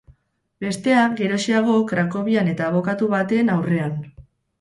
Bestea, geroxeago, Krakovian, eta abokatu baten aurrean.